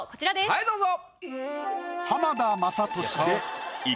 はいどうぞ。